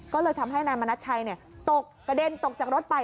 ก็เลยทำให้นายมณัชชัยตกกระเด็นตกจากรถไป